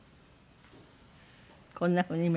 こんなふうに今。